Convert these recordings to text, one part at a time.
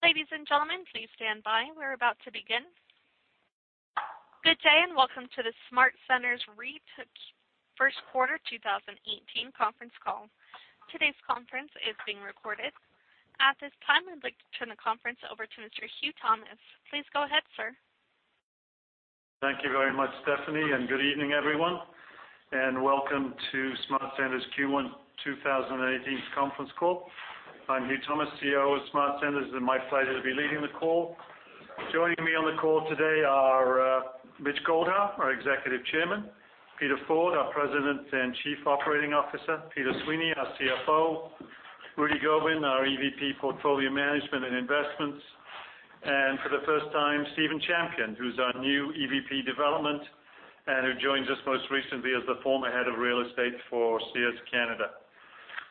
Ladies and gentlemen, please stand by. We're about to begin. Good day, and welcome to the SmartCentres Real Estate First Quarter 2018 conference call. Today's conference is being recorded. At this time, I'd like to turn the conference over to Mr. Huw Thomas. Please go ahead, sir. Thank you very much, Stephanie, and good evening, everyone. Welcome to SmartCentres' Q1 2018 conference call. I'm Huw Thomas, CEO of SmartCentres, and my pleasure to be leading the call. Joining me on the call today are Mitch Goldhar, our Executive Chairman; Peter Forde, our President and Chief Operating Officer; Peter Sweeney, our CFO; Rudy Gobin, our Executive Vice President, Portfolio Management and Investments, and for the first time, Stephen Champion, who's our new Executive Vice President, Development, and who joins us most recently as the former head of real estate for Sears Canada.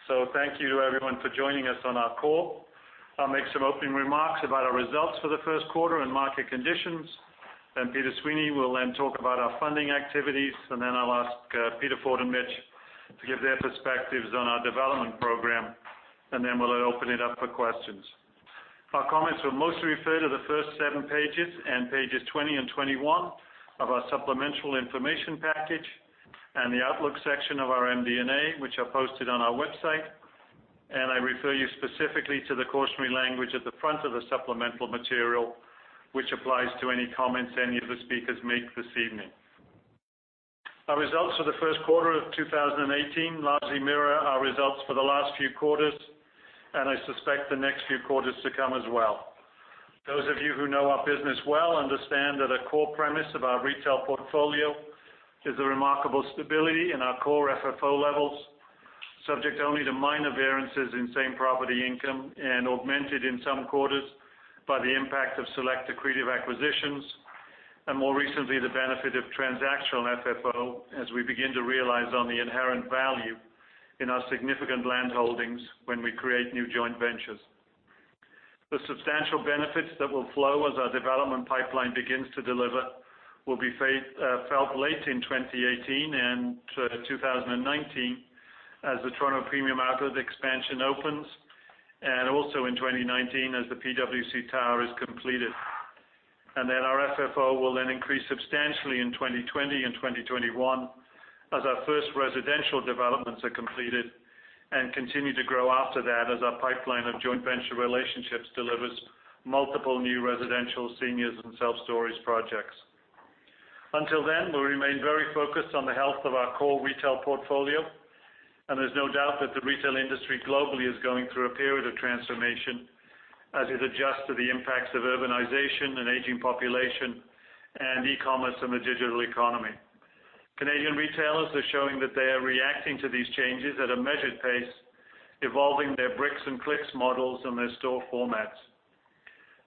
Thank you to everyone for joining us on our call. I'll make some opening remarks about our results for the first quarter and market conditions. Peter Sweeney will then talk about our funding activities, and I'll ask Peter Forde and Mitch to give their perspectives on our development program. We'll open it up for questions. Our comments will mostly refer to the first seven pages and pages 20 and 21 of our supplemental information package and the outlook section of our MD&A, which are posted on our website. I refer you specifically to the cautionary language at the front of the supplemental material, which applies to any comments any of the speakers make this evening. Our results for the first quarter of 2018 largely mirror our results for the last few quarters, and I suspect the next few quarters to come as well. Those of you who know our business well understand that a core premise of our retail portfolio is the remarkable stability in our core FFO levels, subject only to minor variances in same property income and augmented in some quarters by the impact of select accretive acquisitions. More recently, the benefit of transactional FFO as we begin to realize on the inherent value in our significant land holdings when we create new joint ventures. The substantial benefits that will flow as our development pipeline begins to deliver will be felt late in 2018 and 2019 as the Toronto Premium Outlets expansion opens, also in 2019 as the PwC tower is completed. Our FFO will then increase substantially in 2020 and 2021 as our first residential developments are completed and continue to grow after that as our pipeline of joint venture relationships delivers multiple new residential, seniors, and self-storage projects. Until then, we'll remain very focused on the health of our core retail portfolio. There's no doubt that the retail industry globally is going through a period of transformation as it adjusts to the impacts of urbanization and aging population and e-commerce and the digital economy. Canadian retailers are showing that they are reacting to these changes at a measured pace, evolving their bricks-and-clicks models and their store formats.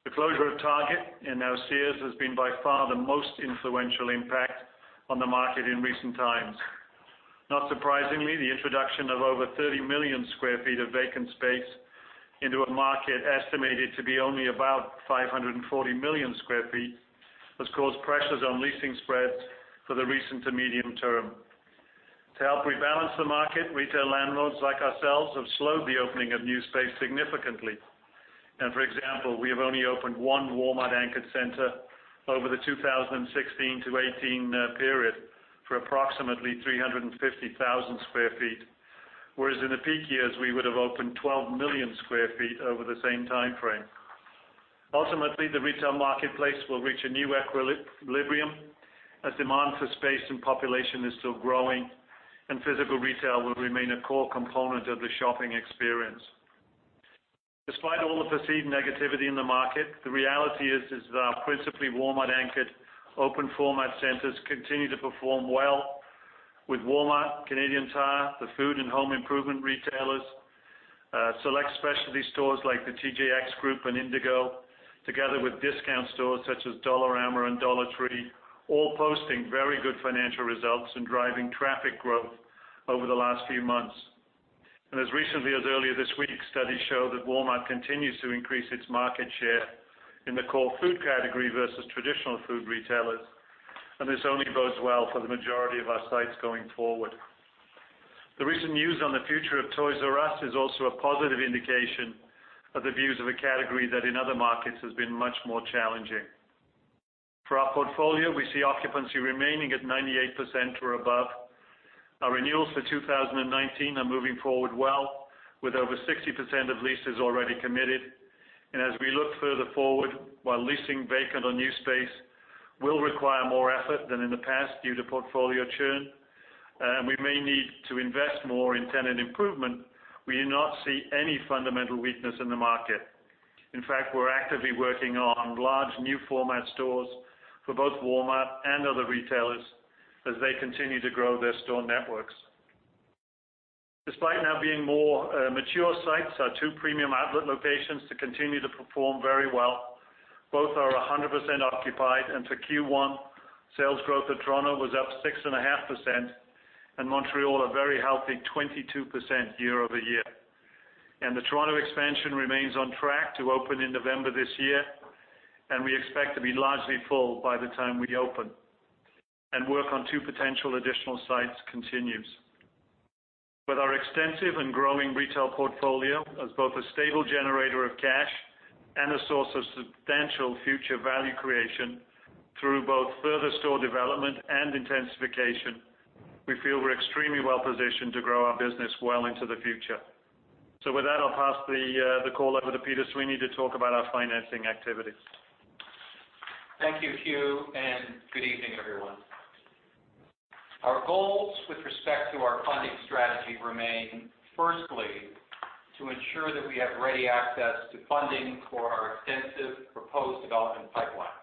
The closure of Target and now Sears has been by far the most influential impact on the market in recent times. Not surprisingly, the introduction of over 30 million sq ft of vacant space into a market estimated to be only about 540 million sq ft has caused pressures on leasing spreads for the recent and medium term. To help rebalance the market, retail landlords like ourselves have slowed the opening of new space significantly. For example, we have only opened one Walmart anchored center over the 2016 to 2018 period for approximately 350,000 sq ft. Whereas in the peak years, we would have opened 12 million sq ft over the same time frame. Ultimately, the retail marketplace will reach a new equilibrium as demand for space and population is still growing. Physical retail will remain a core component of the shopping experience. Despite all the perceived negativity in the market, the reality is our principally Walmart anchored open format centers continue to perform well with Walmart, Canadian Tire, the food and home improvement retailers, select specialty stores like the TJX Group and Indigo, together with discount stores such as Dollarama and Dollar Tree, all posting very good financial results and driving traffic growth over the last few months. As recently as earlier this week, studies show that Walmart continues to increase its market share in the core food category versus traditional food retailers. This only bodes well for the majority of our sites going forward. The recent news on the future of Toys"R"Us is also a positive indication of the views of a category that in other markets has been much more challenging. For our portfolio, we see occupancy remaining at 98% or above. Our renewals for 2019 are moving forward well, with over 60% of leases already committed. As we look further forward, while leasing vacant on new space will require more effort than in the past due to portfolio churn, and we may need to invest more in tenant improvement, we do not see any fundamental weakness in the market. In fact, we're actively working on large new format stores for both Walmart and other retailers as they continue to grow their store networks. Despite now being more mature sites, our two premium outlet locations continue to perform very well. Both are 100% occupied. For Q1, sales growth at Toronto was up 6.5%, and Montreal a very healthy 22% year-over-year. The Toronto expansion remains on track to open in November this year, and we expect to be largely full by the time we open. Work on two potential additional sites continues. With our extensive and growing retail portfolio, as both a stable generator of cash and a source of substantial future value creation through both further store development and intensification, we feel we're extremely well-positioned to grow our business well into the future. With that, I'll pass the call over to Peter Sweeney to talk about our financing activities. Thank you, Huw, and good evening, everyone. Our goals with respect to our funding strategy remain, firstly, to ensure that we have ready access to funding for our extensive proposed development pipeline.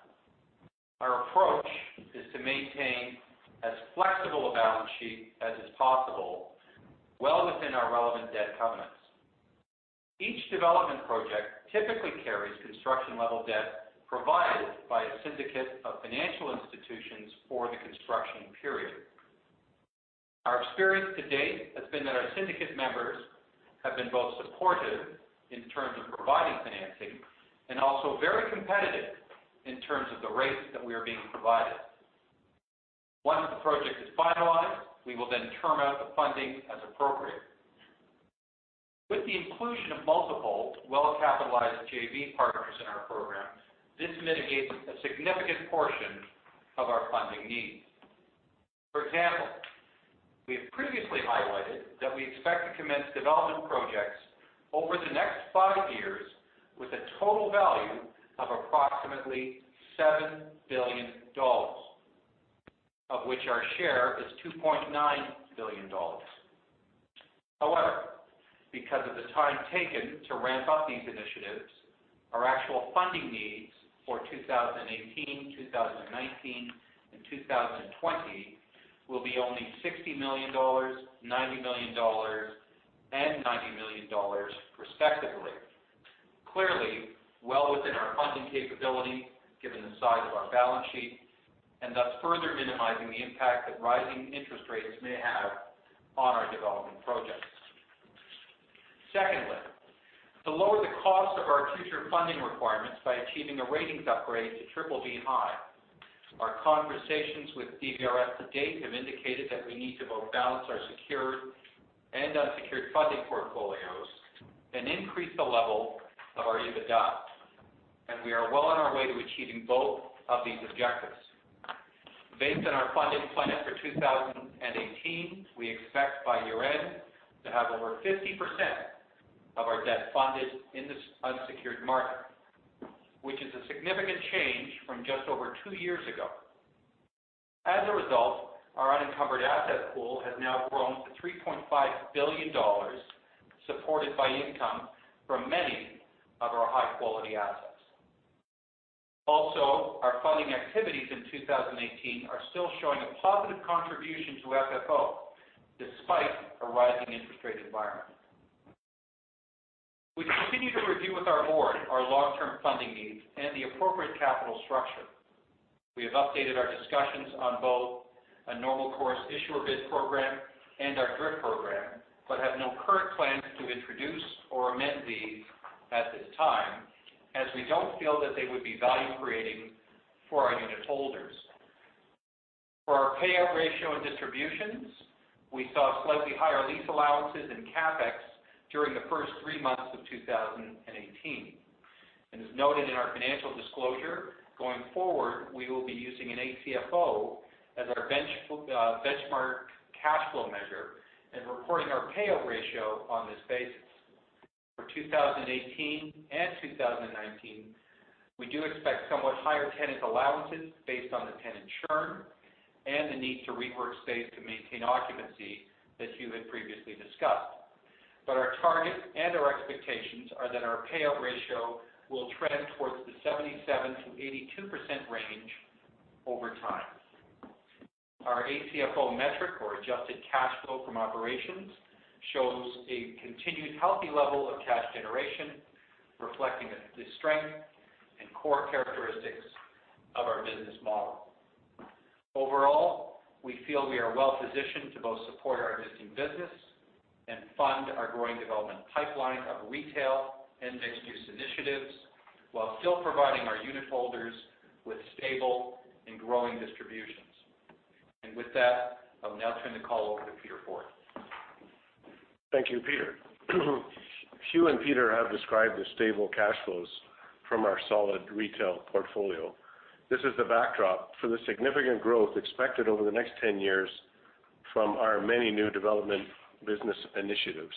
Our approach is to maintain as flexible a balance sheet as is possible, well within our relevant debt covenants. Each development project typically carries construction-level debt provided by a syndicate of financial institutions for the construction period. Our experience to date has been that our syndicate members have been both supportive in terms of providing financing, and also very competitive in terms of the rates that we are being provided. Once the project is finalized, we will then term out the funding as appropriate. With the inclusion of multiple well-capitalized JV partners in our program, this mitigates a significant portion of our funding needs. For example, we have previously highlighted that we expect to commence development projects over the next five years with a total value of approximately 7 billion dollars, of which our share is 2.9 billion dollars. However, because of the time taken to ramp up these initiatives, our actual funding needs for 2018, 2019, and 2020 will be only 60 million dollars, 90 million dollars, and 90 million dollars respectively. Clearly, well within our funding capability, given the size of our balance sheet, and thus further minimizing the impact that rising interest rates may have on our development projects. Secondly, to lower the cost of our future funding requirements by achieving a ratings upgrade to BBB (high). Our conversations with DBRS to date have indicated that we need to both balance our secured and unsecured funding portfolios and increase the level of our EBITDA, and we are well on our way to achieving both of these objectives. Based on our funding plan for 2018, we expect by year-end to have over 50% of our debt funded in this unsecured market, which is a significant change from just over two years ago. As a result, our unencumbered asset pool has now grown to 3.5 billion dollars, supported by income from many of our high-quality assets. Also, our funding activities in 2018 are still showing a positive contribution to FFO, despite a rising interest rate environment. We continue to review with our board our long-term funding needs and the appropriate capital structure. We have updated our discussions on both a normal course issuer bid program and our DRIP program, but have no current plans to introduce or amend these at this time, as we don't feel that they would be value-creating for our unit holders. For our payout ratio and distributions, we saw slightly higher lease allowances in CapEx during the first three months of 2018. As noted in our financial disclosure, going forward, we will be using an ACFO as our benchmark cash flow measure and reporting our payout ratio on this basis. For 2018 and 2019, we do expect somewhat higher tenant allowances based on the tenant churn and the need to rework space to maintain occupancy as you had previously discussed. Our target and our expectations are that our payout ratio will trend towards the 77%-82% range over time. Our ACFO metric, or adjusted cash flow from operations, shows a continued healthy level of cash generation, reflecting the strength and core characteristics of our business model. Overall, we feel we are well-positioned to both support our existing business and fund our growing development pipeline of retail and mixed-use initiatives while still providing our unit holders with stable and growing distributions. With that, I'll now turn the call over to Peter Forde. Thank you, Peter. Huw and Peter have described the stable cash flows from our solid retail portfolio. This is the backdrop for the significant growth expected over the next 10 years from our many new development business initiatives.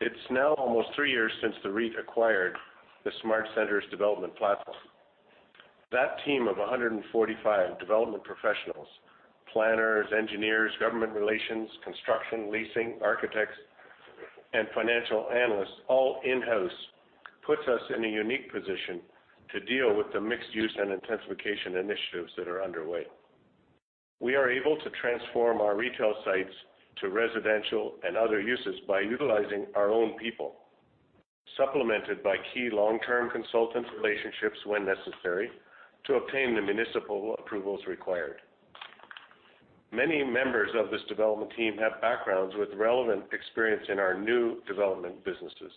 It's now almost three years since the REIT acquired the SmartCentres development platform. That team of 145 development professionals, planners, engineers, government relations, construction, leasing, architects, and financial analysts, all in-house, puts us in a unique position to deal with the mixed-use and intensification initiatives that are underway. We are able to transform our retail sites to residential and other uses by utilizing our own people, supplemented by key long-term consultant relationships when necessary, to obtain the municipal approvals required. Many members of this development team have backgrounds with relevant experience in our new development businesses.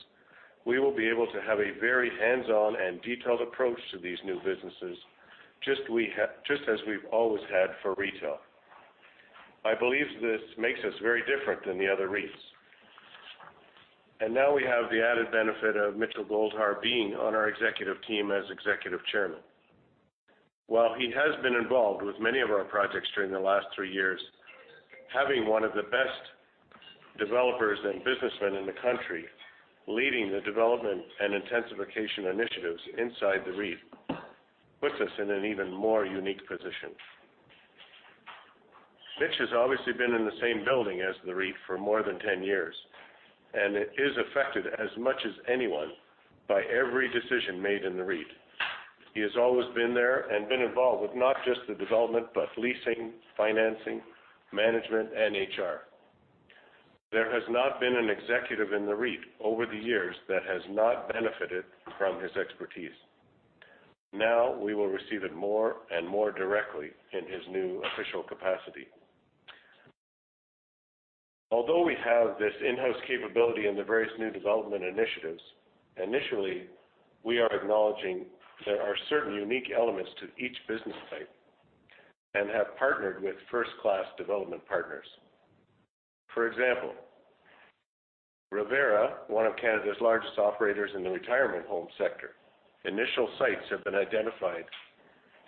We will be able to have a very hands-on and detailed approach to these new businesses. just as we've always had for retail. I believe this makes us very different than the other REITs. Now we have the added benefit of Mitchell Goldhar being on our executive team as Executive Chairman. While he has been involved with many of our projects during the last three years, having one of the best developers and businessmen in the country leading the development and intensification initiatives inside the REIT, puts us in an even more unique position. Mitch has obviously been in the same building as the REIT for more than 10 years, and is affected as much as anyone by every decision made in the REIT. He has always been there and been involved with not just the development, but leasing, financing, management, and HR. There has not been an executive in the REIT over the years that has not benefited from his expertise. We will receive it more and more directly in his new official capacity. Although we have this in-house capability in the various new development initiatives, initially, we are acknowledging there are certain unique elements to each business type and have partnered with first-class development partners. For example, Revera, one of Canada's largest operators in the retirement home sector. Initial sites have been identified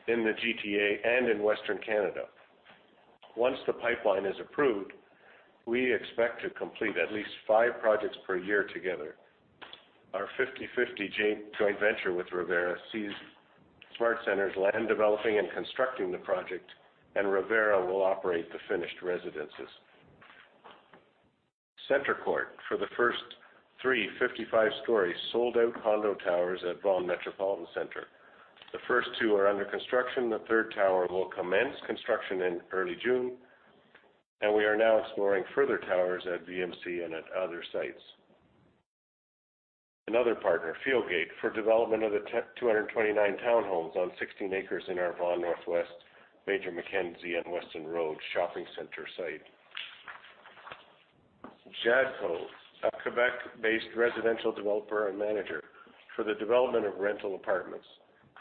in the GTA and in Western Canada. Once the pipeline is approved, we expect to complete at least five projects per year together. Our 50/50 joint venture with Revera sees SmartCentres land developing and constructing the project, and Revera will operate the finished residences. CentreCourt, for the first three 55-story sold-out condo towers at Vaughan Metropolitan Centre. The first two are under construction. The third tower will commence construction in early June, we are now exploring further towers at VMC and at other sites. Another partner, Fieldgate, for development of the 229 townhomes on 16 acres in our Vaughan Northwest Major Mackenzie and Weston Road shopping center site. Jadco, a Quebec-based residential developer and manager, for the development of rental apartments.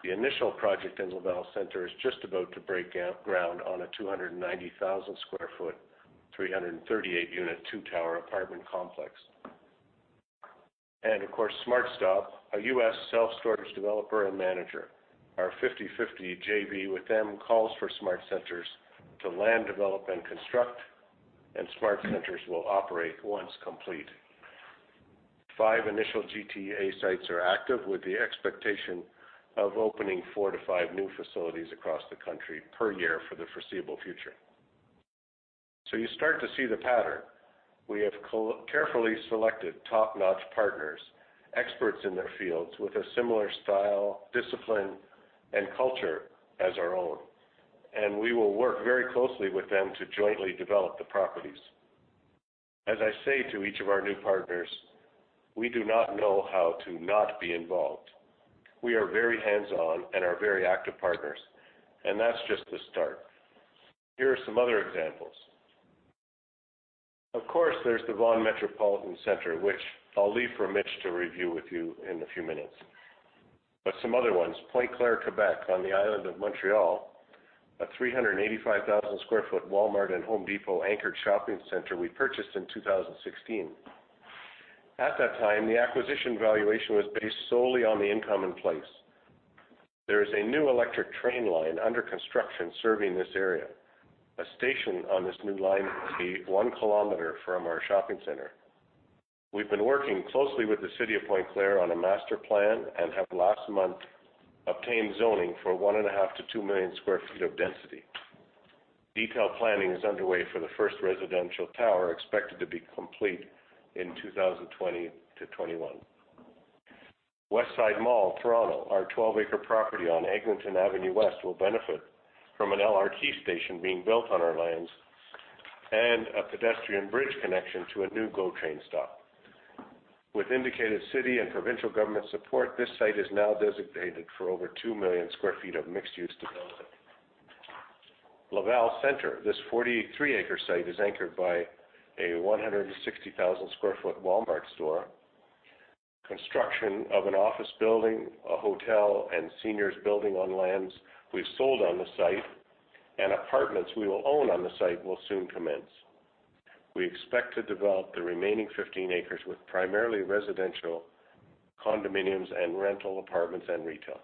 The initial project in Laval Centre is just about to break ground on a 290,000 sq ft, 338-unit, two-tower apartment complex. Of course, SmartStop, a U.S. self-storage developer and manager. Our 50/50 JV with them calls for SmartCentres to land develop and construct, SmartCentres will operate once complete. Five initial GTA sites are active with the expectation of opening four to five new facilities across the country per year for the foreseeable future. You start to see the pattern. We have carefully selected top-notch partners, experts in their fields with a similar style, discipline, and culture as our own. We will work very closely with them to jointly develop the properties. As I say to each of our new partners, we do not know how to not be involved. We are very hands-on and are very active partners, that's just the start. Here are some other examples. Of course, there's the Vaughan Metropolitan Centre, which I'll leave for Mitch to review with you in a few minutes. Some other ones, Pointe-Claire, Quebec, on the island of Montreal, a 385,000 sq ft Walmart and The Home Depot anchored shopping center we purchased in 2016. At that time, the acquisition valuation was based solely on the income in place. There is a new electric train line under construction serving this area. A station on this new line will be one km from our shopping center. We've been working closely with the City of Pointe-Claire on a master plan and have last month obtained zoning for one and a half to 2 million sq ft of density. Detailed planning is underway for the first residential tower, expected to be complete in 2020-2021. Westside Mall, Toronto. Our 12-acre property on Eglinton Avenue West will benefit from an LRT station being built on our lands and a pedestrian bridge connection to a new GO train stop. With indicated city and provincial government support, this site is now designated for over 2 million sq ft of mixed-use development. Laval Centre. This 43-acre site is anchored by a 160,000 sq ft Walmart store. Construction of an office building, a hotel, and seniors building on lands we've sold on the site and apartments we will own on the site will soon commence. We expect to develop the remaining 15 acres with primarily residential condominiums and rental apartments and retail.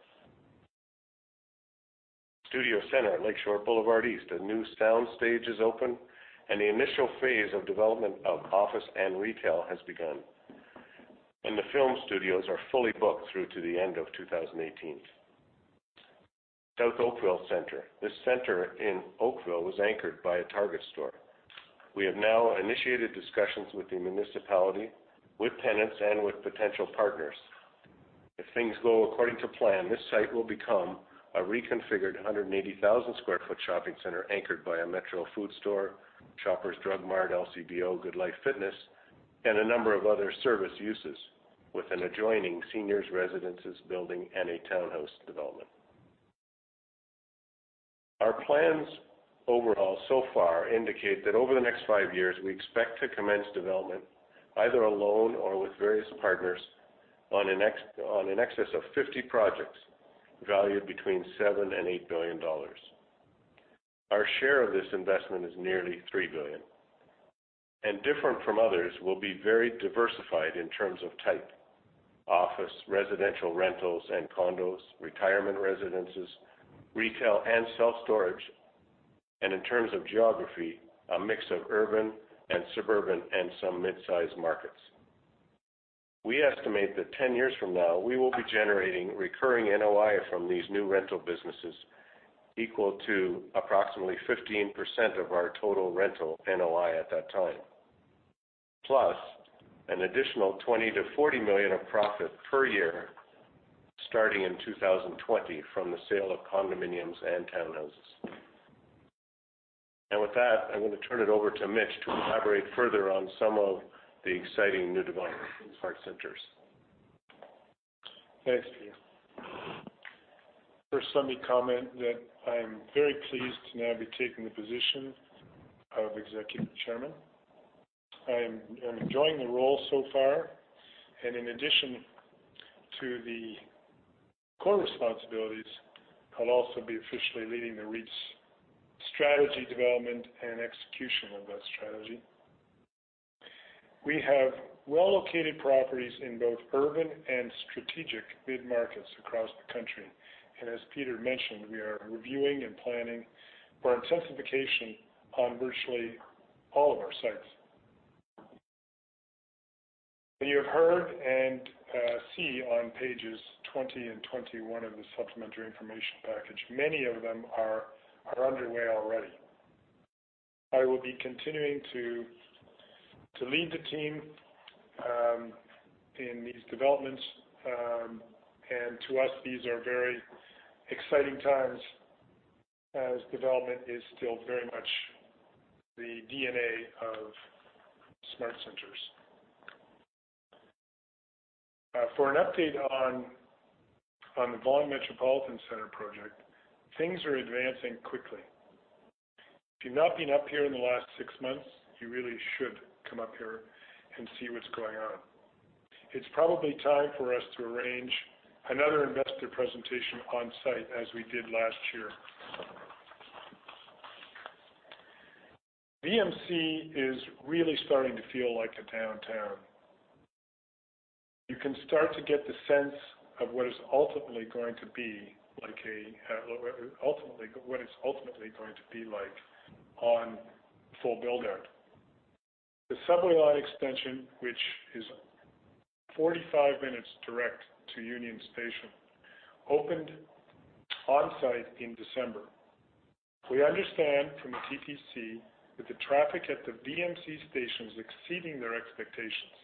StudioCentre at Lakeshore Boulevard East. A new sound stage is open, and the initial phase of development of office and retail has begun. The film studios are fully booked through to the end of 2018. South Oakville Centre. This center in Oakville is anchored by a Target store. We have now initiated discussions with the municipality, with tenants, and with potential partners. If things go according to plan, this site will become a reconfigured 180,000 sq ft shopping center anchored by a Metro food store, Shoppers Drug Mart, LCBO, GoodLife Fitness, and a number of other service uses with an adjoining seniors residences building and a townhouse development. Our plans overall so far indicate that over the next five years, we expect to commence development either alone or with various partners on an excess of 50 projects valued between 7 billion and 8 billion dollars. Our share of this investment is nearly 3 billion. Different from others, we'll be very diversified in terms of type, office, residential rentals and condos, retirement residences, retail, and self-storage. In terms of geography, a mix of urban and suburban, and some mid-size markets. We estimate that 10 years from now, we will be generating recurring NOI from these new rental businesses equal to approximately 15% of our total rental NOI at that time. Plus, an additional 20 million to 40 million of profit per year starting in 2020 from the sale of condominiums and townhouses. With that, I'm going to turn it over to Mitch to elaborate further on some of the exciting new developments in SmartCentres. Thanks, Peter. First, let me comment that I'm very pleased to now be taking the position of Executive Chairman. I am enjoying the role so far, and in addition to the core responsibilities, I'll also be officially leading the REIT's strategy development and execution of that strategy. We have well-located properties in both urban and strategic mid-markets across the country. As Peter mentioned, we are reviewing and planning for intensification on virtually all of our sites. You have heard and see on pages 20 and 21 of the supplementary information package, many of them are underway already. I will be continuing to lead the team in these developments. To us, these are very exciting times, as development is still very much the DNA of SmartCentres. For an update on the Vaughan Metropolitan Centre project, things are advancing quickly. If you've not been up here in the last six months, you really should come up here and see what's going on. It's probably time for us to arrange another investor presentation on-site as we did last year. VMC is really starting to feel like a downtown. You can start to get the sense of what it's ultimately going to be like on full build-out. The subway line extension, which is 45 minutes direct to Union Station, opened on-site in December. We understand from the TTC that the traffic at the VMC station is exceeding their expectations.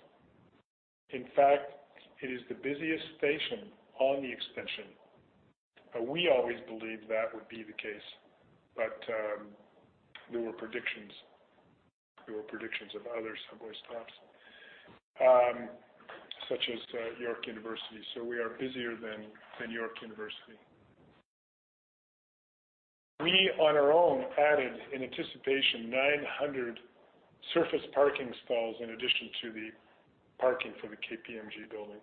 In fact, it is the busiest station on the extension. We always believed that would be the case, but there were predictions of other subway stops, such as York University. We are busier than York University. We, on our own, added, in anticipation, 900 surface parking stalls in addition to the parking for the KPMG building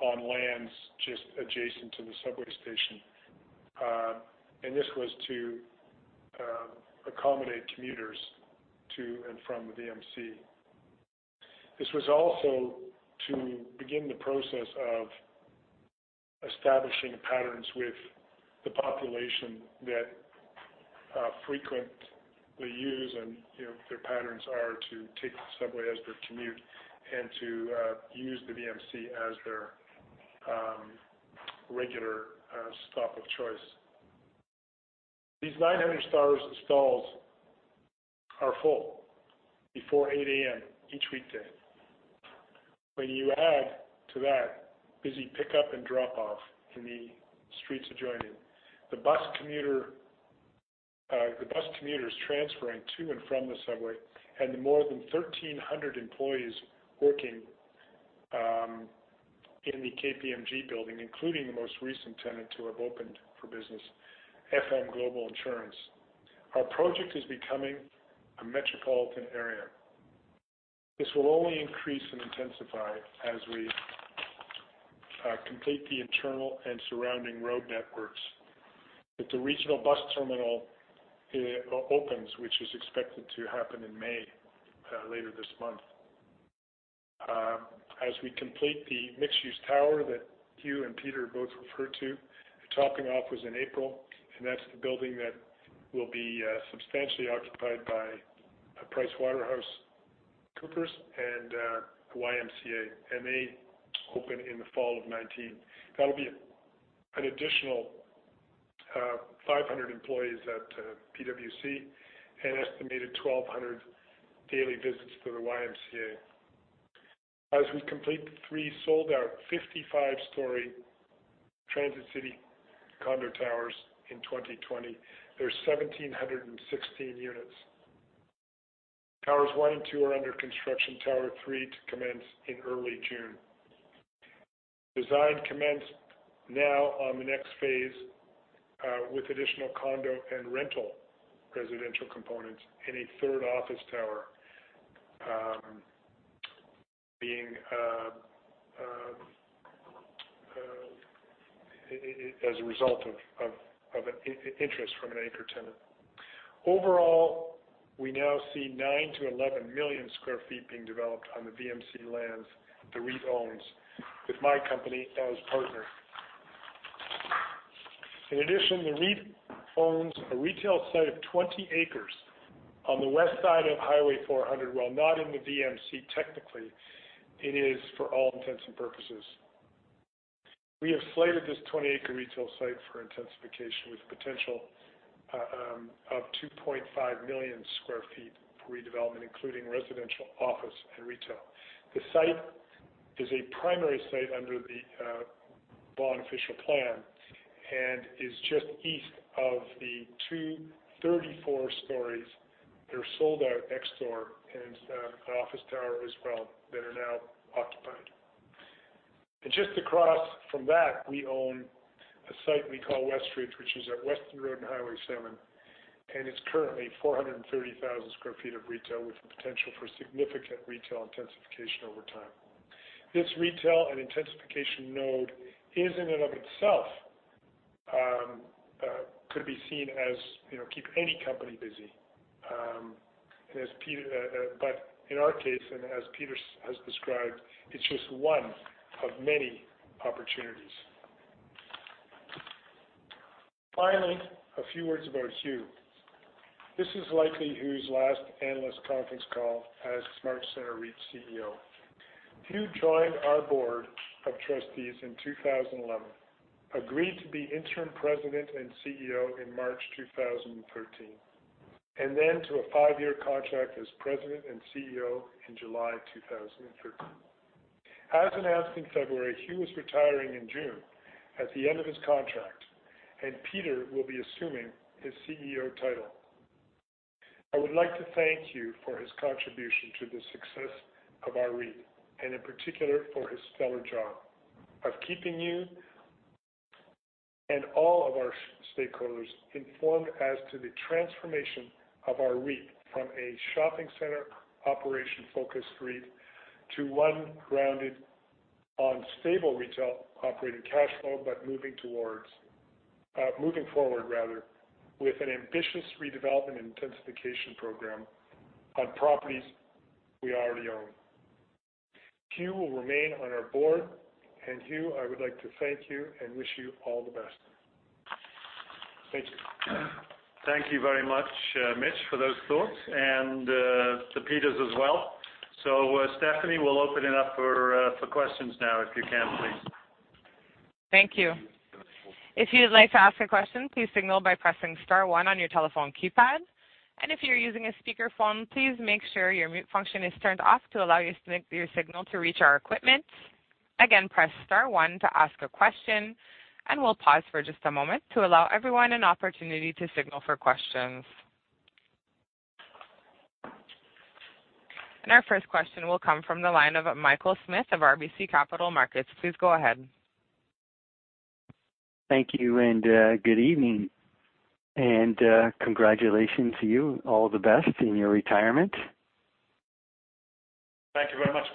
on lands just adjacent to the subway station. This was to accommodate commuters to and from the VMC. This was also to begin the process of establishing patterns with the population that frequently use, and their patterns are to take the subway as their commute and to use the VMC as their regular stop of choice. These 900 stalls are full before 8:00 A.M. each weekday. When you add to that, busy pickup and drop-off in the streets adjoining, the bus commuters transferring to and from the subway, and the more than 1,300 employees working in the KPMG building, including the most recent tenant to have opened for business, FM Global Insurance. Our project is becoming a metropolitan area. This will only increase and intensify as we complete the internal and surrounding road networks. With the regional bus terminal opens, which is expected to happen in May, later this month. As we complete the mixed-use tower that Huw and Peter both referred to, the topping off was in April, and that's the building that will be substantially occupied by PricewaterhouseCoopers and the YMCA, and they open in the fall of 2019. That will be an additional 500 employees at PwC, an estimated 1,200 daily visits to the YMCA. As we complete the three sold-out 55-story Transit City condo towers in 2020, there are 1,716 units. Towers one and two are under construction. Tower three to commence in early June. Design commence now on the next phase, with additional condo and rental residential components and a third office tower, as a result of interest from an anchor tenant. Overall, we now see 9 million-11 million square feet being developed on the VMC lands that the REIT owns, with my company as partner. In addition, the REIT owns a retail site of 20 acres on the west side of Highway 400. While not in the VMC, technically, it is for all intents and purposes. We have slated this 20-acre retail site for intensification, with the potential of 2.5 million square feet for redevelopment, including residential, office, and retail. The site is a primary site under the Vaughan official plan and is just east of the two 34-stories that are sold out next door, and an office tower as well that are now occupied. Just across from that, we own a site we call Westridge, which is at Weston Road and Highway 7, and it's currently 430,000 square feet of retail with the potential for significant retail intensification over time. This retail and intensification node in and of itself could be seen as keep any company busy. In our case, as Peter has described, it's just one of many opportunities. Finally, a few words about Huw. This is likely Huw's last analyst conference call as SmartCentres REIT CEO. Huw joined our board of trustees in 2011, agreed to be interim President and CEO in March 2013, then to a five-year contract as President and CEO in July 2013. As announced in February, Huw is retiring in June at the end of his contract, and Peter will be assuming his CEO title. I would like to thank Huw for his contribution to the success of our REIT, and in particular, for his stellar job of keeping you and all of our stakeholders informed as to the transformation of our REIT from a shopping center operation-focused REIT, to one grounded on stable retail operating cash flow but moving forward with an ambitious redevelopment intensification program on properties we already own. Huw will remain on our board, Huw, I would like to thank you and wish you all the best. Thank you. Thank you very much, Mitch, for those thoughts and to Peter as well. Stephanie, we'll open it up for questions now, if you can, please. Thank you. If you'd like to ask a question, please signal by pressing star one on your telephone keypad. If you're using a speakerphone, please make sure your mute function is turned off to allow your signal to reach our equipment. Again, press star one to ask a question, we'll pause for just a moment to allow everyone an opportunity to signal for questions. Our first question will come from the line of Michael Smith of RBC Capital Markets. Please go ahead. Thank you, good evening. Congratulations to you. All the best in your retirement. Thank you very much,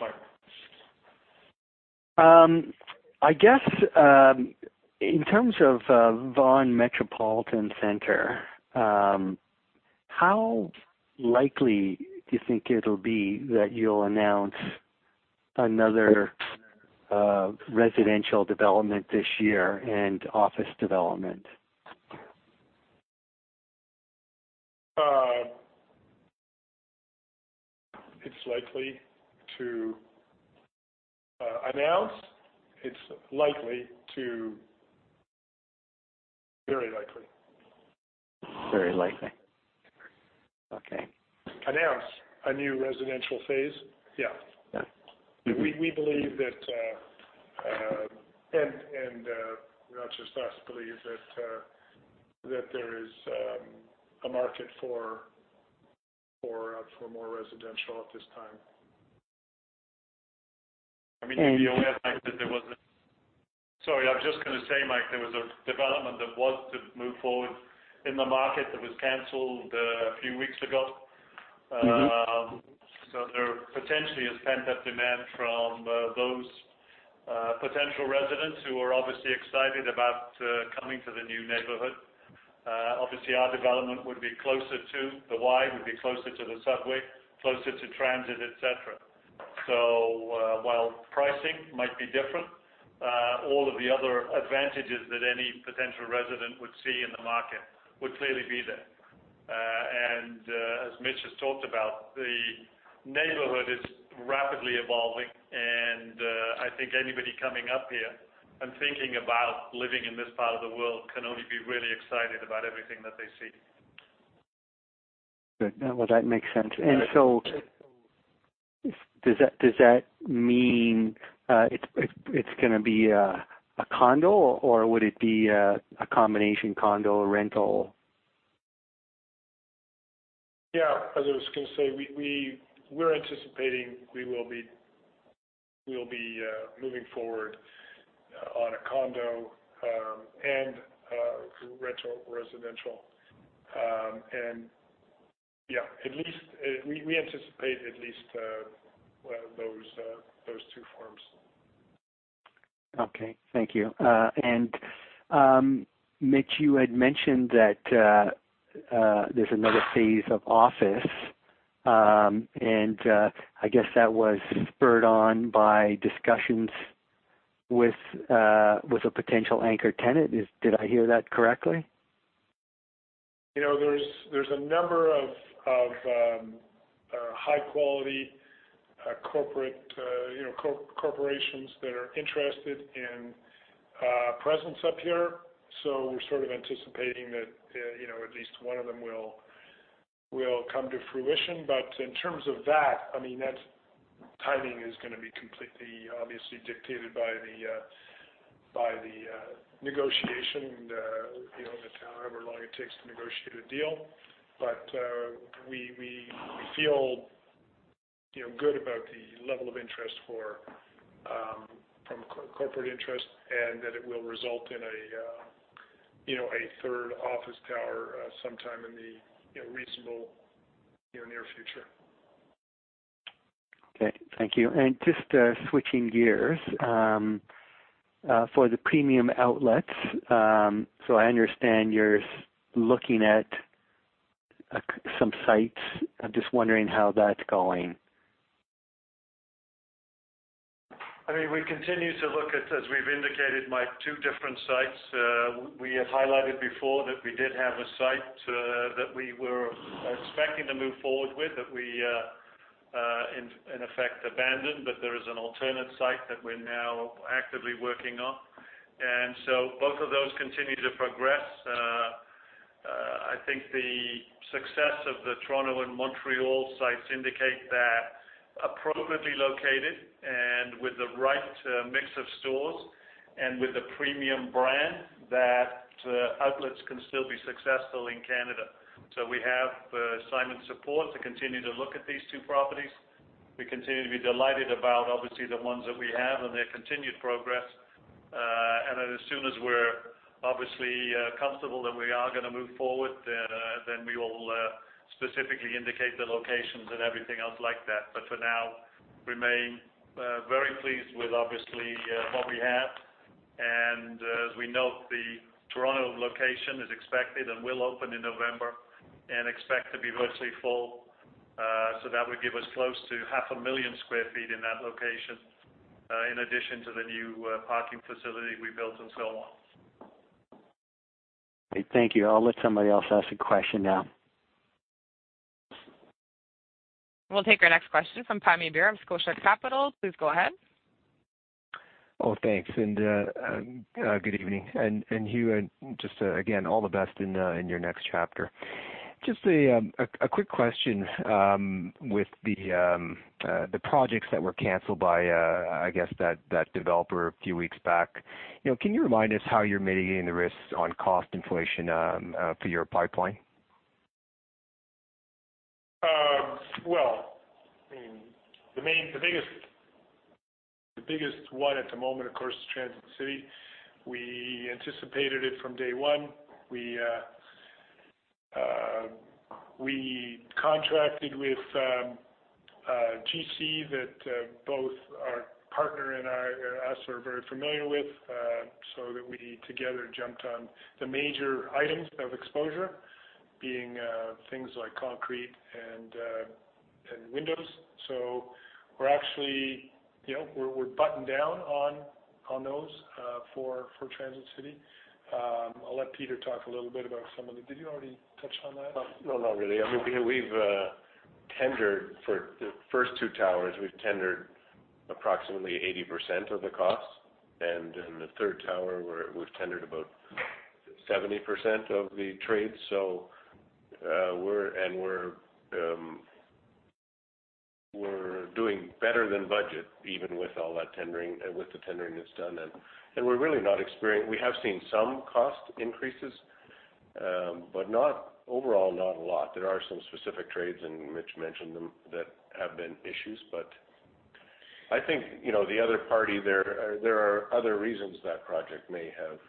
Michael. I guess, in terms of Vaughan Metropolitan Centre, how likely do you think it'll be that you'll announce another residential development this year and office development? It's likely to announce. Very likely. Very likely. Okay. Announce a new residential phase? Yeah. Yeah. We believe that, and not just us believe that there is a market for more residential at this time. I mean, you'll be aware, Mike. Sorry. I'm just going to say, Mike, there was a development that was to move forward in the market that was canceled a few weeks ago. There potentially is pent-up demand from those potential residents who are obviously excited about coming to the new neighborhood. Obviously, our development would be closer to the YMCA, would be closer to the subway, closer to transit, et cetera. While pricing might be different, all of the other advantages that any potential resident would see in the market would clearly be there. As Mitch has talked about, the neighborhood is rapidly evolving, and I think anybody coming up here and thinking about living in this part of the world can only be really excited about everything that they see. Good. Well, that makes sense. Does that mean it's going to be a condo, or would it be a combination condo rental? Yeah. As I was going to say, we're anticipating we'll be moving forward on a condo and residential. Yeah, we anticipate at least those two forms. Okay. Thank you. Mitch, you had mentioned that there's another phase of office. I guess that was spurred on by discussions with a potential anchor tenant. Did I hear that correctly? There's a number of high-quality corporations that are interested in presence up here. We're sort of anticipating that at least one of them will come to fruition. In terms of that timing is going to be completely, obviously, dictated by the negotiation and however long it takes to negotiate a deal. We feel good about the level of interest from corporate interest, and that it will result in a third office tower sometime in the reasonable near future. Okay, thank you. Just switching gears. For the premium outlets, I understand you're looking at some sites. I'm just wondering how that's going. We continue to look at, as we've indicated, Mike, two different sites. We have highlighted before that we did have a site that we were expecting to move forward with that we, in effect, abandoned. There is an alternate site that we're now actively working on. Both of those continue to progress. I think the success of the Toronto and Montreal sites indicate that appropriately located and with the right mix of stores and with a premium brand, that outlets can still be successful in Canada. We have Simon support to continue to look at these two properties. We continue to be delighted about, obviously, the ones that we have and their continued progress. As soon as we're obviously comfortable that we are going to move forward, then we will specifically indicate the locations and everything else like that. For now, remain very pleased with obviously, what we have. As we note, the Toronto location is expected and will open in November and expect to be virtually full. That would give us close to half a million sq ft in that location, in addition to the new parking facility we built and so on. Okay. Thank you. I'll let somebody else ask a question now. We'll take our next question from Pammi Bir of Scotia Capital. Please go ahead. Thanks, good evening. Huw, just again, all the best in your next chapter. Just a quick question. With the projects that were canceled by, I guess, that developer a few weeks back. Can you remind us how you're mitigating the risks on cost inflation for your pipeline? Well, the biggest one at the moment, of course, is Transit City. We anticipated it from day one. We contracted with a GC that both our partner and us are very familiar with, so that we together jumped on the major items of exposure, being things like concrete and windows. We're actually buttoned down on those for Transit City. I'll let Peter talk a little bit about. Did you already touch on that? No, not really. For the first two towers, we've tendered approximately 80% of the cost. In the third tower, we've tendered about 70% of the trades. We're doing better than budget, even with the tendering that's done then. We have seen some cost increases, but overall, not a lot. There are some specific trades, and Mitch mentioned them, that have been issues. I think, the other party there are other reasons that project may have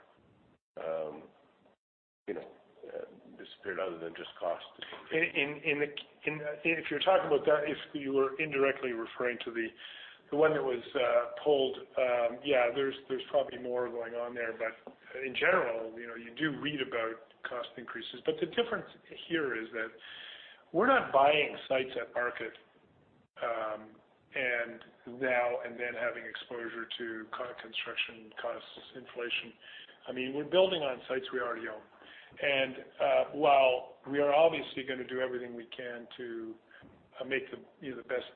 disappeared other than just cost. If you're talking about that, if you were indirectly referring to the one that was pulled, yeah, there's probably more going on there. In general, you do read about cost increases. The difference here is that we're not buying sites at market, and then having exposure to construction costs inflation. We're building on sites we already own. While we are obviously going to do everything we can to make the best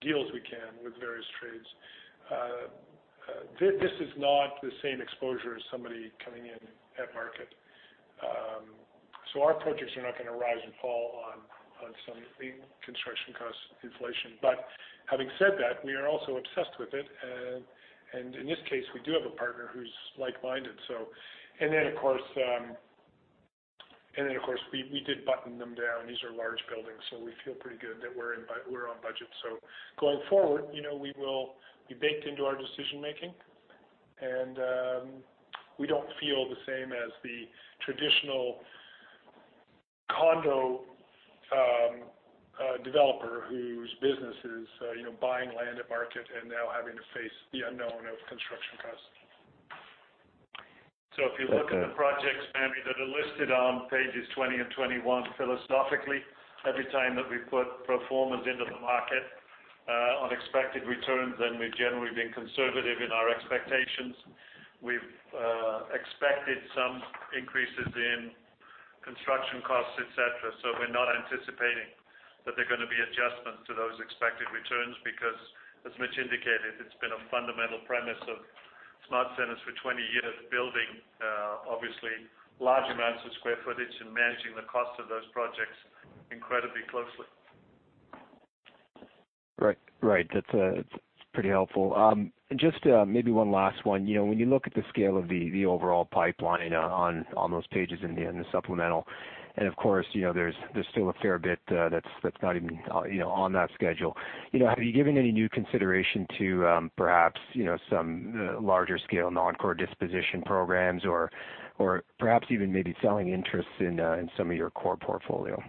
deals we can with various trades, this is not the same exposure as somebody coming in at market. Our projects are not going to rise and fall on some construction cost inflation. Having said that, we are also obsessed with it. In this case, we do have a partner who's like-minded. Of course, we did button them down. These are large buildings, we feel pretty good that we're on budget. Going forward, we baked into our decision-making, we don't feel the same as the traditional condo developer whose business is buying land at market and now having to face the unknown of construction costs. If you look at the projects, Pammi, that are listed on pages 20 and 21, philosophically, every time that we've put pro formas into the market on expected returns, then we've generally been conservative in our expectations. We've expected some increases in construction costs, et cetera. We're not anticipating that there are going to be adjustments to those expected returns because, as Mitch indicated, it's been a fundamental premise of SmartCentres for 20 years, building obviously large amounts of square footage and managing the cost of those projects incredibly closely. Right. That's pretty helpful. Just maybe one last one. When you look at the scale of the overall pipeline on those pages in the supplemental, and of course, there's still a fair bit that's not even on that schedule. Have you given any new consideration to perhaps some larger scale non-core disposition programs or perhaps even maybe selling interests in some of your core portfolio?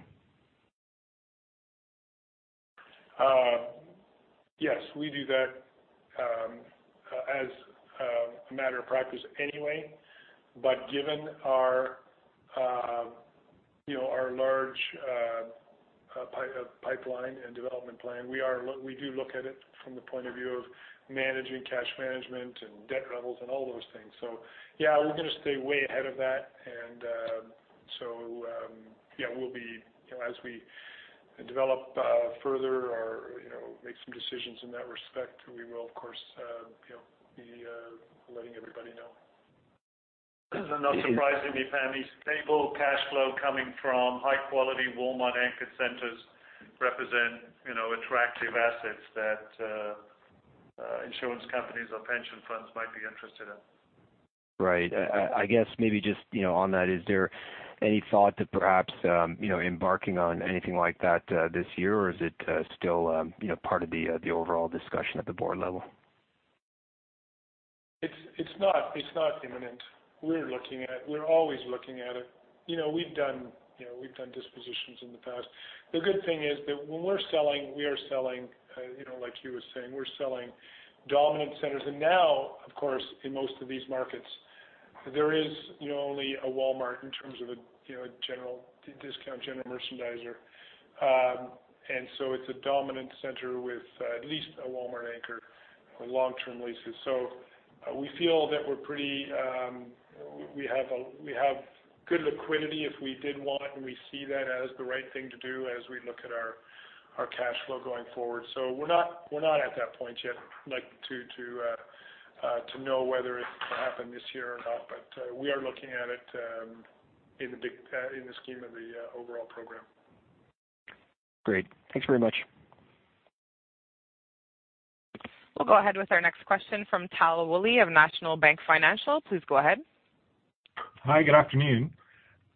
Yes, we do that as a matter of practice anyway. Given our large pipeline and development plan, we do look at it from the point of view of managing cash management and debt levels and all those things. Yeah, we're going to stay way ahead of that. Yeah, as we develop further or make some decisions in that respect, we will, of course, be letting everybody know. Not surprisingly, Pammi, stable cash flow coming from high-quality Walmart anchored centers represent attractive assets that insurance companies or pension funds might be interested in. Right. I guess maybe just on that, is there any thought to perhaps embarking on anything like that this year? Is it still part of the overall discussion at the board level? It's not imminent. We're always looking at it. We've done dispositions in the past. The good thing is that when we're selling, we are selling, like Huw was saying, we're selling dominant centers. Now, of course, in most of these markets, there is only a Walmart in terms of a discount general merchandiser. It's a dominant center with at least a Walmart anchor on long-term leases. We feel that we have good liquidity if we did want it, and we see that as the right thing to do as we look at our cash flow going forward. We're not at that point yet to know whether it will happen this year or not. We are looking at it in the scheme of the overall program. Great. Thanks very much. We'll go ahead with our next question from Tal Woolley of National Bank Financial. Please go ahead. Hi, good afternoon.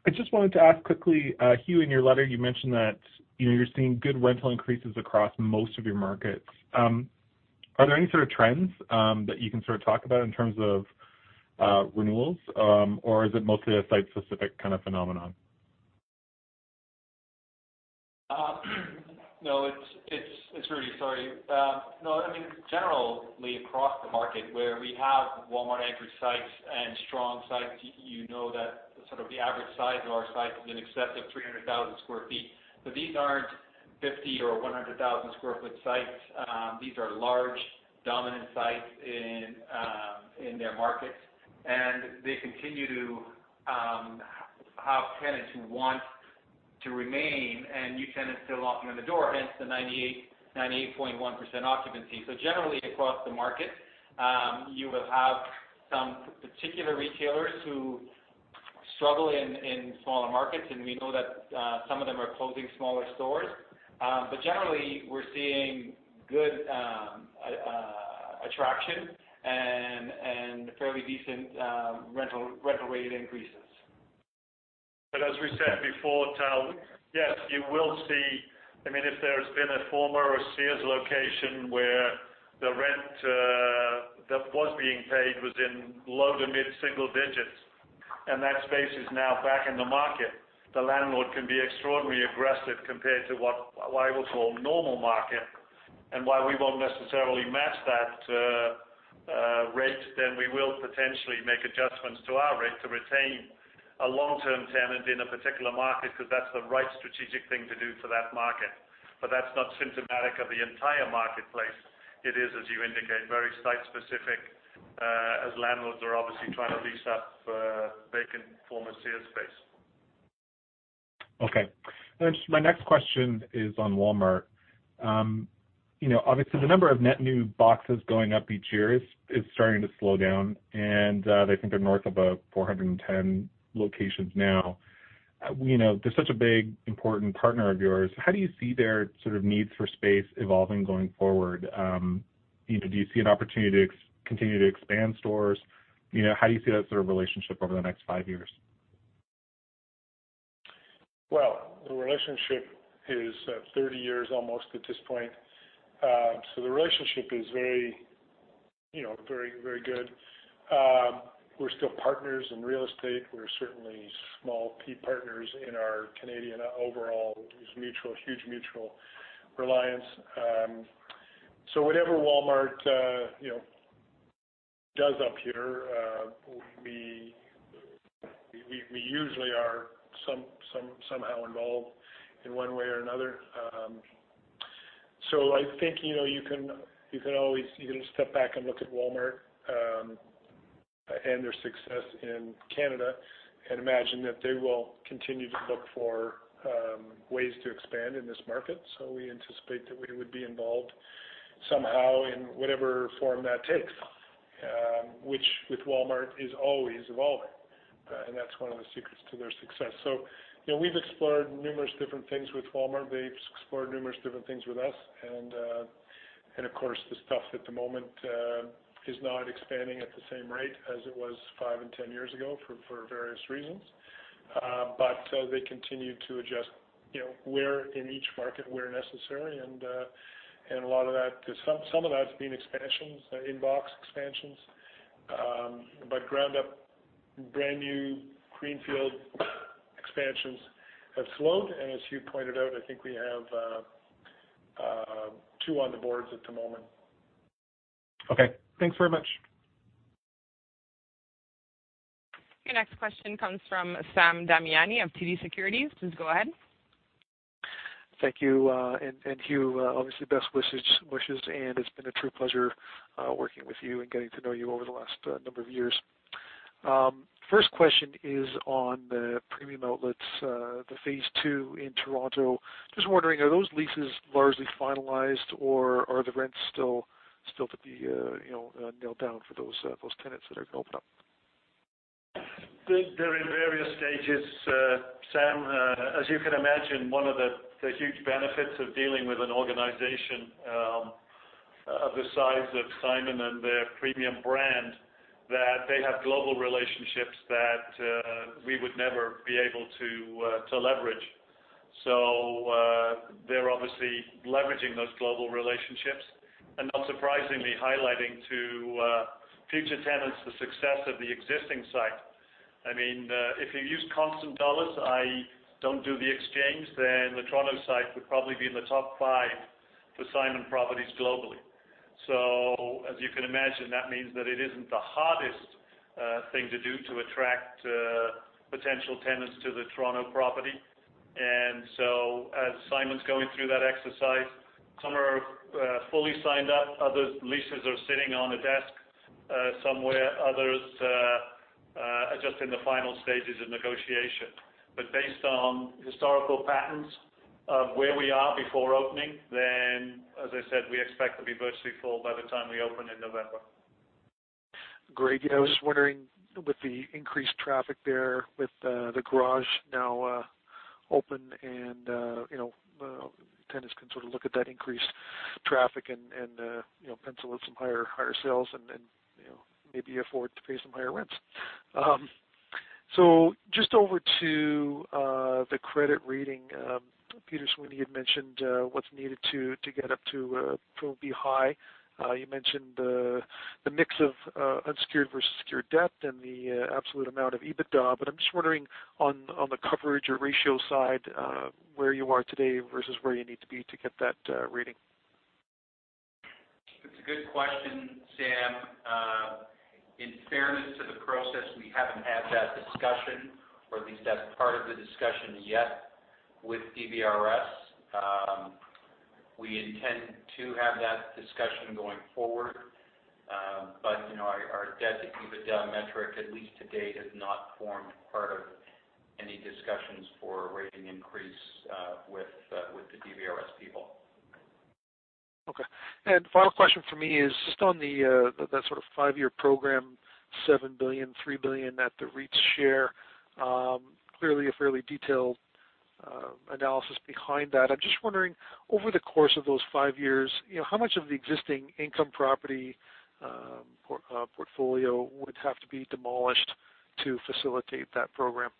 I just wanted to ask quickly, Huw, in your letter, you mentioned that you're seeing good rental increases across most of your markets. Are there any sort of trends that you can sort of talk about in terms of renewals? Or is it mostly a site-specific kind of phenomenon? No, it's Rudy. Sorry. No, I mean, generally across the market where we have Walmart entry sites and strong sites, you know that sort of the average size of our site is in excess of 300,000 square feet. These aren't 50 or 100,000 square foot sites. These are large, dominant sites in their markets, and they continue to have tenants who want to remain and new tenants still knocking on the door, hence the 98.1% occupancy. Generally across the market, you will have some particular retailers who struggle in smaller markets, and we know that some of them are closing smaller stores. Generally, we're seeing good attraction and fairly decent rental rate increases. As we said before, Tal, yes, you will see, if there's been a former Sears location where the rent that was being paid was in low to mid-single digits, and that space is now back in the market, the landlord can be extraordinarily aggressive compared to what I will call normal market. While we won't necessarily match that rate, then we will potentially make adjustments to our rate to retain a long-term tenant in a particular market because that's the right strategic thing to do for that market. That's not symptomatic of the entire marketplace. It is, as you indicate, very site-specific, as landlords are obviously trying to lease up vacant former Sears space. Okay. My next question is on Walmart. Obviously, the number of net new boxes going up each year is starting to slow down, and I think they're north of 410 locations now. They're such a big, important partner of yours. How do you see their needs for space evolving going forward? Do you see an opportunity to continue to expand stores? How do you see that relationship over the next five years? Well, the relationship is 30 years almost at this point. The relationship is very good. We're still partners in real estate. We're certainly small P partners in our Canadian overall. There's huge mutual reliance. Whatever Walmart does up here, we usually are somehow involved in one way or another. I think you can always step back and look at Walmart, and their success in Canada and imagine that they will continue to look for ways to expand in this market. We anticipate that we would be involved somehow in whatever form that takes, which with Walmart is always evolving. That's one of the secrets to their success. We've explored numerous different things with Walmart. They've explored numerous different things with us. Of course, the stuff at the moment is not expanding at the same rate as it was five and 10 years ago for various reasons. They continue to adjust, where in each market, where necessary, some of that's been expansions, in-box expansions. Ground-up, brand-new greenfield expansions have slowed, as you pointed out, I think we have two on the boards at the moment. Okay. Thanks very much. Your next question comes from Sam Damiani of TD Securities. Please go ahead. Thank you. Huw, obviously best wishes. It's been a true pleasure working with you and getting to know you over the last number of years. First question is on the premium outlets, the phase 2 in Toronto. Just wondering, are those leases largely finalized, or are the rents still to be nailed down for those tenants that are going to open up? They're in various stages, Sam. As you can imagine, one of the huge benefits of dealing with an organization of the size of Simon and their premium brand, that they have global relationships that we would never be able to leverage. They're obviously leveraging those global relationships and not surprisingly highlighting to future tenants the success of the existing site. If you use constant dollars, i.e., don't do the exchange, then the Toronto site would probably be in the top five for Simon properties globally. As you can imagine, that means that it isn't the hardest thing to do to attract potential tenants to the Toronto property. As Simon's going through that exercise, some are fully signed up, other leases are sitting on a desk somewhere, others are just in the final stages of negotiation. Based on historical patterns of where we are before opening, then, as I said, we expect to be virtually full by the time we open in November. Great. I was just wondering with the increased traffic there with the garage now open and tenants can sort of look at that increased traffic and pencil in some higher sales and maybe afford to pay some higher rents. Just over to the credit rating. Peter Sweeney had mentioned what's needed to get up to B (high). You mentioned the mix of unsecured versus secured debt and the absolute amount of EBITDA. I'm just wondering on the coverage or ratio side, where you are today versus where you need to be to get that rating. That's a good question, Sam. In fairness to the process, we haven't had that discussion, or at least that's part of the discussion yet with DBRS. We intend to have that discussion going forward. Our debt-to-EBITDA metric, at least to date, has not formed part of any discussions for a rating increase with the DBRS people. Final question from me is just on that sort of five-year program, 7 billion, 3 billion at the REIT share. Clearly a fairly detailed analysis behind that. I'm just wondering, over the course of those five years, how much of the existing income property portfolio would have to be demolished to facilitate that program?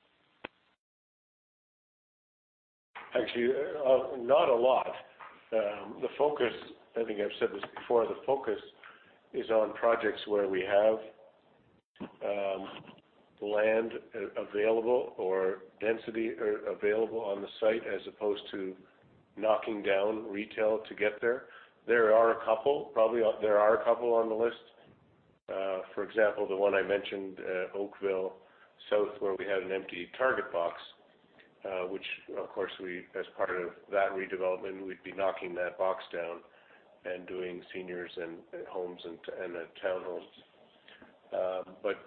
Actually, not a lot. I think I've said this before, the focus is on projects where we have land available or density available on the site as opposed to knocking down retail to get there. There are a couple on the list. For example, the one I mentioned, Oakville South, where we had an empty Target box, which of course, as part of that redevelopment, we'd be knocking that box down and doing seniors and homes and townhomes.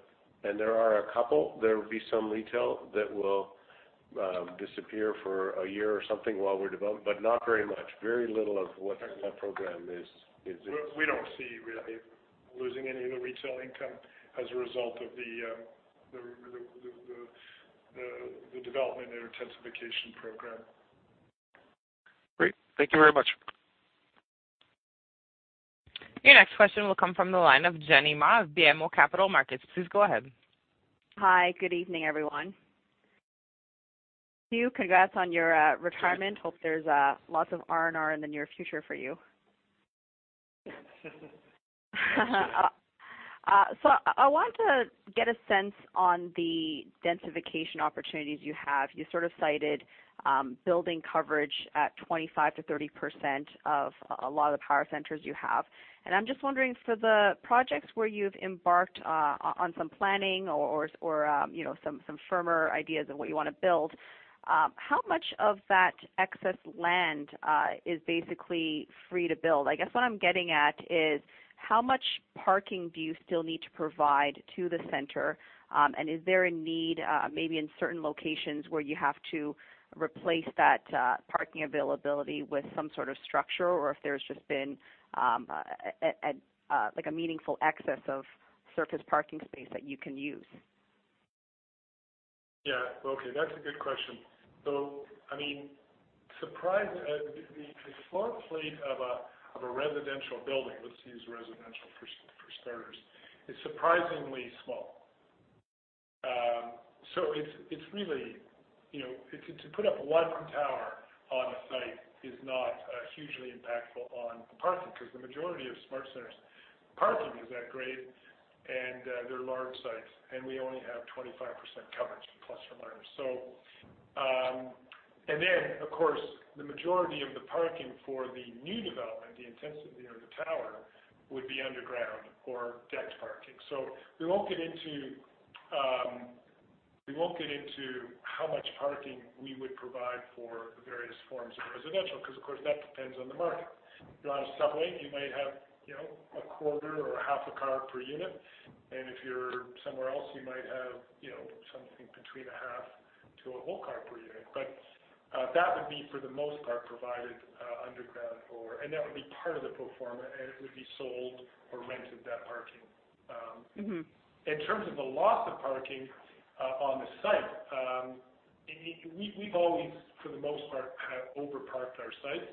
There are a couple. There will be some retail that will disappear for a year or something while we're developing, but not very much. Very little of what our program is- We don't see really losing any of the retail income as a result of the development intensification program. Great. Thank you very much. Your next question will come from the line of Jenny Ma of BMO Capital Markets. Please go ahead. Hi. Good evening, everyone. Huw, congrats on your retirement. Hope there's lots of R&R in the near future for you. I want to get a sense on the densification opportunities you have. You cited building coverage at 25%-30% of a lot of the power centers you have. I'm just wondering, for the projects where you've embarked on some planning or some firmer ideas of what you want to build, how much of that excess land is basically free to build? I guess what I'm getting at is, how much parking do you still need to provide to the center? Is there a need, maybe in certain locations, where you have to replace that parking availability with some sort of structure, or if there's just been a meaningful excess of surface parking space that you can use? Yeah. Okay. That's a good question. The floor plate of a residential building, let's use residential for starters, is surprisingly small. To put up one tower on a site is not hugely impactful on the parking, because the majority of SmartCentres parking is at grade, and they're large sites, and we only have 25% coverage, plus or minus. Then, of course, the majority of the parking for the new development, the intensity or the tower, would be underground or decked parking. We won't get into how much parking we would provide for the various forms of residential, because, of course, that depends on the market. If you're on a subway, you might have a quarter or a half a car per unit. If you're somewhere else, you might have something between a half to a whole car per unit. That would be, for the most part, provided underground, and that would be part of the pro forma, and it would be sold or rented, that parking. In terms of the loss of parking on the site, we've always, for the most part, over-parked our sites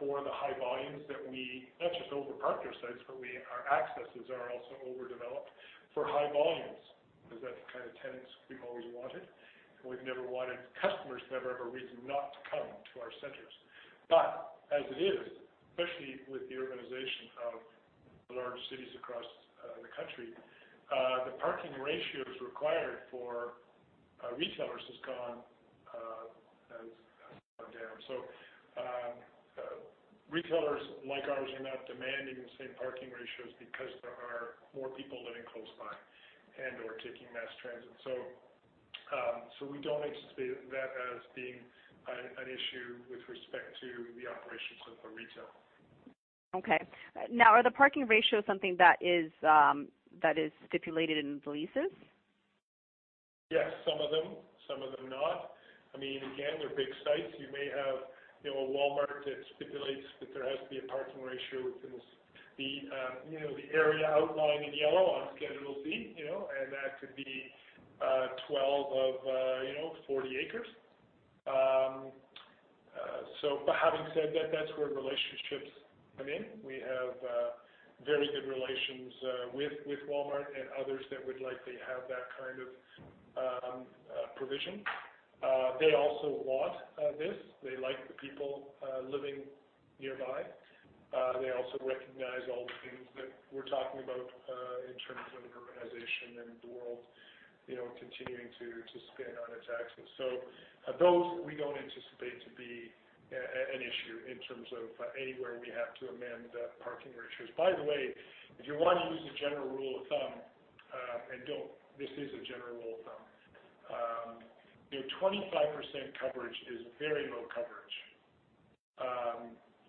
for the high volumes. Not just over-parked our sites, but our accesses are also overdeveloped for high volumes, because that's the kind of tenants we've always wanted. We've never wanted customers to have ever a reason not to come to our centers. As it is, especially with the urbanization of large cities across the country, the parking ratios required for retailers has gone down. Retailers like ours are not demanding the same parking ratios because there are more people living close by and/or taking mass transit. We don't anticipate that as being an issue with respect to the operations of the retail. Okay. Now, are the parking ratios something that is stipulated in the leases? Yes, some of them. Some of them not. Again, they're big sites. You may have a Walmart that stipulates that there has to be a parking ratio within the area outlined in yellow on Schedule Z, and that could be 12 of 40 acres. Having said that's where relationships come in. We have very good relations with Walmart and others that would likely have that kind of provision. They also want this. They like the people living nearby. They also recognize all the things that we're talking about in terms of urbanization and the world continuing to spin on its axis. Those, we don't anticipate to be an issue in terms of anywhere we have to amend parking ratios. By the way, if you want to use a general rule of thumb, and this is a general rule of thumb, 25% coverage is very low coverage.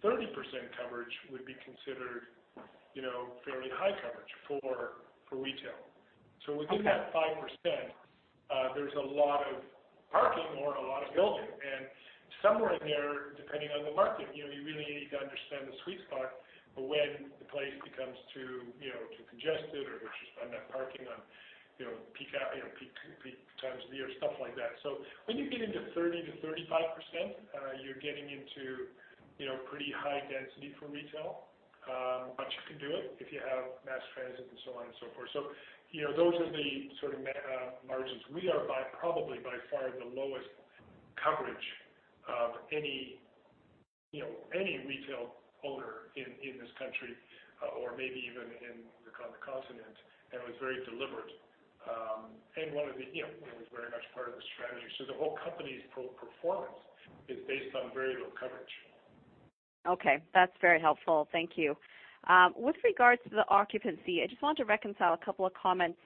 30% coverage would be considered fairly high coverage for retail. Okay. Within that 5%, there's a lot of parking or a lot of building. Somewhere in there, depending on the market, you really need to understand the sweet spot for when the place becomes too congested or there's just not enough parking on peak times of the year, stuff like that. When you get into 30% to 35%, you're getting into pretty high density for retail. You can do it if you have mass transit and so on and so forth. Those are the sort of margins. We are probably by far the lowest coverage of any retail owner in this country or maybe even on the continent, and it was very deliberate. It was very much part of the strategy. The whole company's pro forma is based on very low coverage. Okay, that's very helpful. Thank you. With regards to the occupancy, I just wanted to reconcile a couple of comments.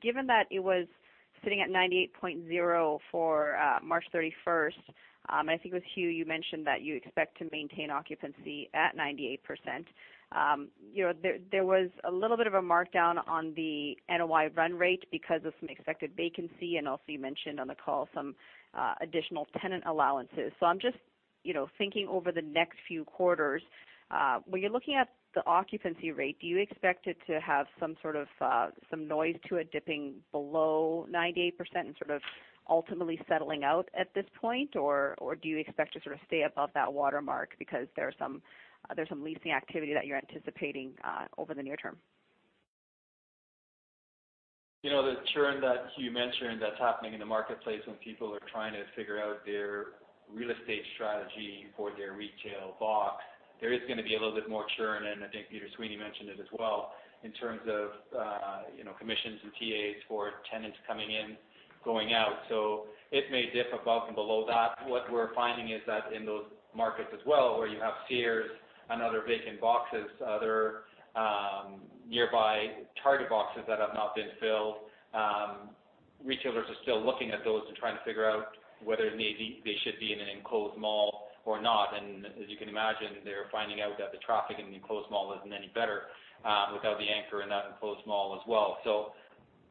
Given that it was sitting at 98.0 for March 31st, I think it was Huw, you mentioned that you expect to maintain occupancy at 98%. There was a little bit of a markdown on the NOI run rate because of some expected vacancy, and also you mentioned on the call some additional tenant allowances. I'm just thinking over the next few quarters, when you're looking at the occupancy rate, do you expect it to have some noise to it dipping below 98% and sort of ultimately settling out at this point? Or do you expect to sort of stay above that watermark because there's some leasing activity that you're anticipating over the near term? The churn that Huw mentioned that's happening in the marketplace when people are trying to figure out their real estate strategy for their retail box, there is going to be a little bit more churn, and I think Peter Sweeney mentioned it as well, in terms of commissions and TAs for tenants coming in, going out. It may dip above and below that. What we're finding is that in those markets as well, where you have Sears and other vacant boxes, other nearby Target boxes that have not been filled, retailers are still looking at those and trying to figure out whether they should be in an enclosed mall or not. As you can imagine, they're finding out that the traffic in an enclosed mall isn't any better without the anchor in that enclosed mall as well.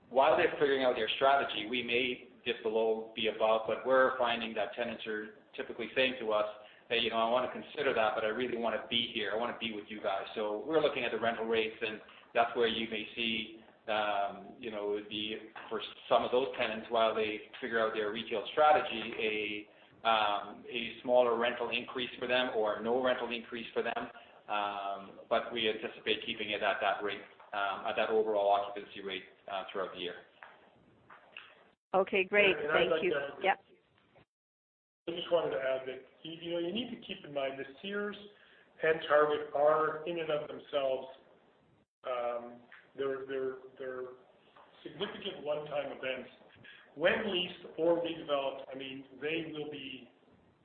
While they're figuring out their strategy, we may dip below, be above, but we're finding that tenants are typically saying to us that, "I want to consider that, but I really want to be here. I want to be with you guys." We're looking at the rental rates, and that's where you may see, for some of those tenants while they figure out their retail strategy, a smaller rental increase for them or no rental increase for them. We anticipate keeping it at that overall occupancy rate throughout the year. Okay, great. Thank you. I'd like to. Yeah. I just wanted to add that you need to keep in mind that Sears and Target are, in and of themselves, they're significant one-time events. When leased or redeveloped,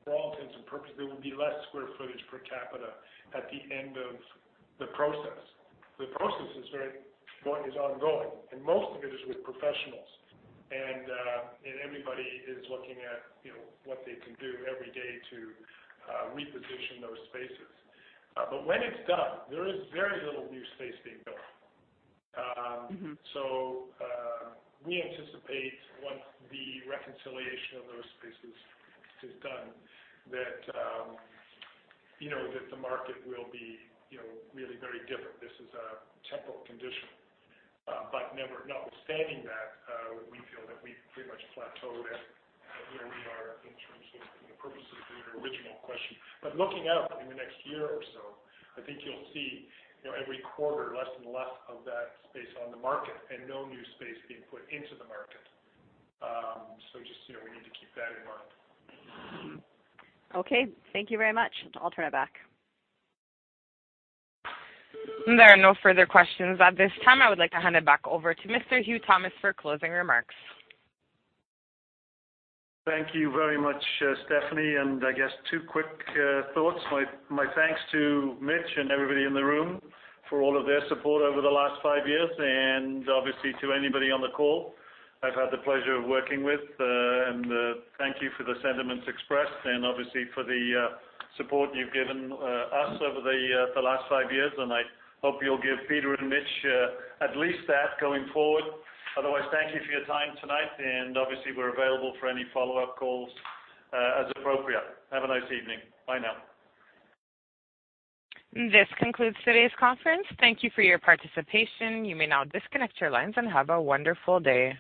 for all intents and purposes, there will be less square footage per capita at the end of the process. The process is ongoing, and most of it is with professionals. Everybody is looking at what they can do every day to reposition those spaces. When it's done, there is very little new space being built. We anticipate once the reconciliation of those spaces is done, that the market will be really very different. This is a temporal condition. Notwithstanding that, we feel that we've pretty much plateaued at where we are in terms of, for the purposes of your original question. Looking out in the next year or so, I think you'll see every quarter less and less of that space on the market and no new space being put into the market. We need to keep that in mind. Okay. Thank you very much. I'll turn it back. There are no further questions at this time. I would like to hand it back over to Mr. Huw Thomas for closing remarks. Thank you very much, Stephanie. I guess two quick thoughts. My thanks to Mitch and everybody in the room for all of their support over the last five years, obviously to anybody on the call I've had the pleasure of working with. Thank you for the sentiments expressed and obviously for the support you've given us over the last five years, and I hope you'll give Peter and Mitch at least that going forward. Otherwise, thank you for your time tonight, obviously, we're available for any follow-up calls, as appropriate. Have a nice evening. Bye now. This concludes today's conference. Thank Thank you for your participation. You may now disconnect your lines and have a wonderful day.